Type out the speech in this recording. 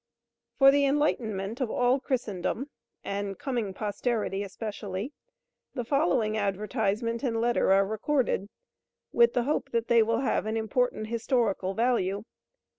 For the enlightenment of all Christendom, and coming posterity especially, the following advertisement and letter are recorded, with the hope that they will have an important historical value.